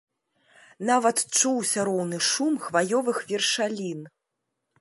Нават чуўся роўны шум хваёвых вершалін.